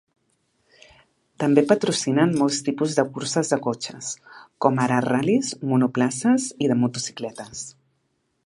També patrocinen molts tipus de curses de cotxes, com ara ral·lis, monoplaces i de motocicletes.